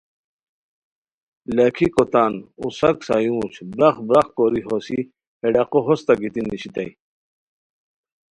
لاکھیکو تان اوساک سایورج براخ براخ کوری ہوسی ہے ڈاقو ہوستہ گیتی نیشیتائے